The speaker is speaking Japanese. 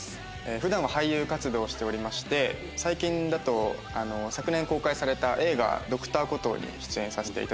普段は俳優活動をしておりまして最近だと昨年公開された映画『Ｄｒ．コトー』に出演させていただきました。